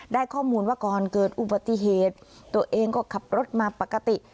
ได้ข้อมูลว่าก่อนเกิดอุบัติเหตุตัวเองก็ขับรถมาปกติ